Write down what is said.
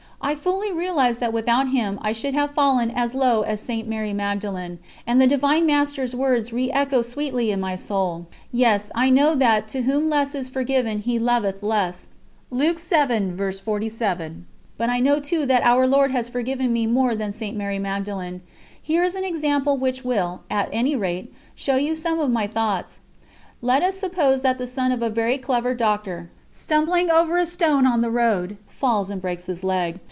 I fully realised that without Him I should have fallen as low as St. Mary Magdalen, and the Divine Master's words re echoed sweetly in my soul. Yes, I know that "To whom less is forgiven he loveth less," but I know too that Our Lord has forgiven me more than St. Mary Magdalen. Here is an example which will, at any rate, show you some of my thoughts. Let us suppose that the son of a very clever doctor, stumbling over a stone on the road, falls and breaks his leg.